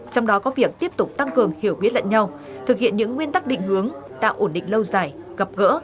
trong đó có việc tiếp tục tăng cường hiểu biết lận nhau thực hiện những nguyên tắc định hướng tạo ổn định lâu dài gặp gỡ